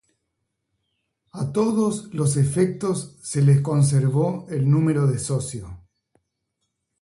A todos los efectos se les conservó el número de socio.